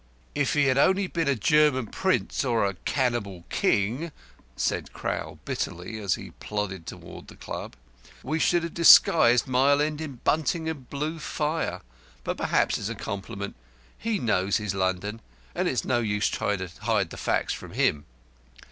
"If he had only been a German prince, or a cannibal king," said Crowl, bitterly, as he plodded towards the Club, "we should have disguised Mile End in bunting and blue fire. But perhaps it's a compliment. He knows his London, and it's no use trying to hide the facts from him.